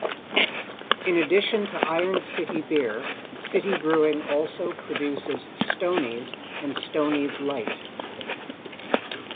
In addition to Iron City Beer, City Brewing also produces Stoney's and Stoney's Light.